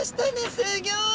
すギョい！